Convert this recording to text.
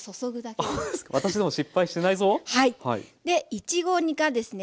いちごがですね